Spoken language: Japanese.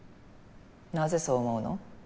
なぜそう思うの？